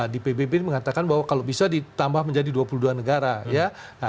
di pbb mengatakan bahwa kalau bisa ditambah menjadi dua puluh dua negara ya